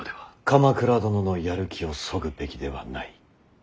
鎌倉殿のやる気をそぐべきではない。